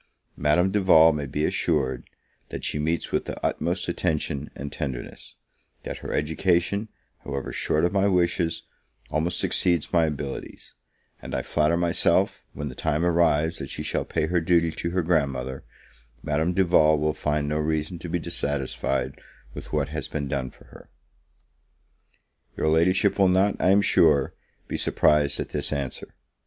Madame Duval may be assured, that she meets with the utmost attention and tenderness; that her education, however short of my wishes, almost exceeds my abilities; and I flatter myself, when the time arrives that she shall pay her duty to her grand mother, Madame Duval will find no reason to be dissatisfied with what has been done for her." Your Ladyship will not, I am sure, be surprised at this answer.